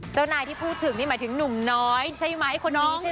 เจ้านายที่พูดถึงนี่หมายถึงหนุ่มน้อยใช่ไหมคนน้อง